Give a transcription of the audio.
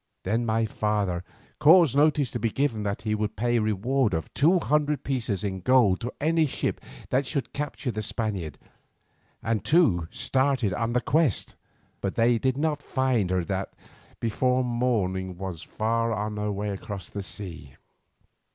Then my father caused notice to be given that he would pay reward of two hundred pieces in gold to any ship that should capture the Spaniard, and two started on the quest, but they did not find her that before morning was far on her way across the sea.